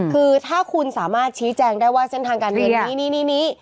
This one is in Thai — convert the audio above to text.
คือถ้าคุณสามารถชี้แจงได้ว่าเส้นทางการเรียนนี้นี่